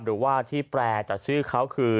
หรือว่าที่แปลจากชื่อเขาคือ